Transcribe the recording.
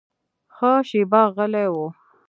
ښه شېبه غلی و.